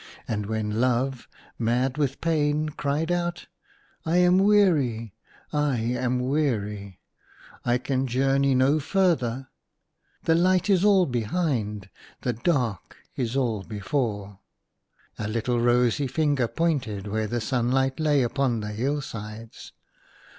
And when Love, mad with pain, cried out, " I am weary, I am weary ! I can journey no further. The light is all behind, the dark is all before," a little rosy finger pointed where the sunlight lay upon the hill sides.